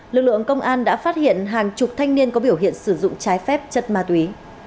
lực lượng công an đã phát hiện hàng chục thanh niên có biểu hiện sử dụng trái phép chất ma túy